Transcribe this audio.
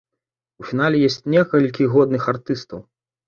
У фінале ёсць некалькі годных артыстаў.